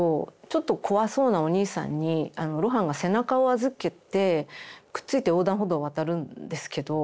ちょっと怖そうなおにいさんに露伴が背中を預けてくっついて横断歩道を渡るんですけど。